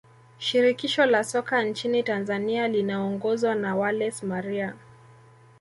shirikisho la soka nchini Tanzania linaongozwa na wallace Maria